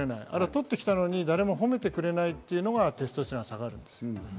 取ってきたのに誰も褒めてくれないというのがテストステロンが下がるんです。